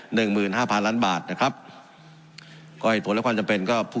หนึ่งหมื่นห้าพันล้านบาทนะครับก็เหตุผลและความจำเป็นก็ผู้